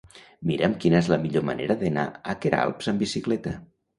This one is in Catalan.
Mira'm quina és la millor manera d'anar a Queralbs amb bicicleta.